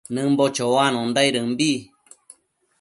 Nëmbo choanondaidëmbi